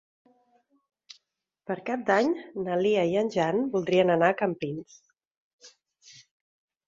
Per Cap d'Any na Lia i en Jan voldrien anar a Campins.